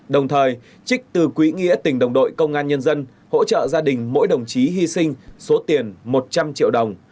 đồng thời trích từ quý nghĩa tình đồng đội công an nhân dân hỗ trợ gia đình mỗi đồng chí hy sinh số tiền một trăm linh triệu đồng